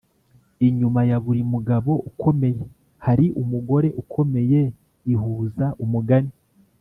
inyuma ya buri mugabo ukomeye hari umugore ukomeye ihuza umugani